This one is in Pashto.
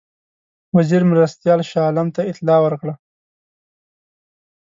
وزیر مرستیال شاه عالم ته اطلاع ورکړه.